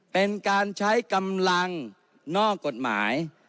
เป็นการใช้กำลังนอกกฎหมาย